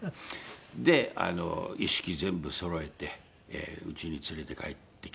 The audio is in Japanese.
で一式全部そろえてうちに連れて帰ってきたと。